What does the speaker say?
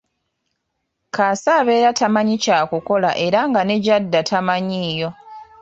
Kaasa abeera tamanyi kyakukola era nga ne gyadda tamanyiiyo.